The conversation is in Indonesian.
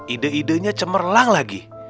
ide idenya cemerlang lagi